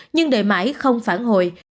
nhưng đợi mãi không phản hồi